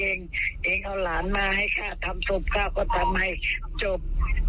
เองเอาหลานมาให้ข้าทำศพข้าวก็ทำให้จบ